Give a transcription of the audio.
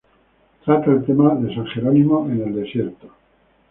Trata el tema de San Jerónimo en el desierto.